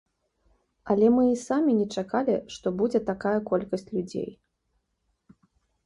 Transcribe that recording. Але мы і самі не чакалі, што будзе такая колькасць людзей.